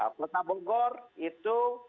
kota bogor itu